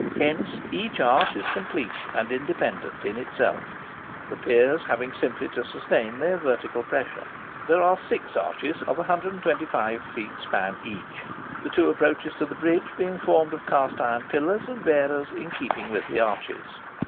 Hence each arch is complete and independent in itself, the piers having simply to sustain their vertical pressure. There are six arches of 125 feet span each; the two approaches to the bridge being formed of cast iron pillars and bearers in keeping with the arches.